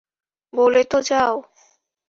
বলে তো যাও!